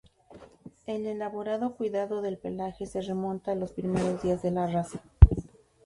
El elaborado cuidado del pelaje se remonta a los primeros días de la raza.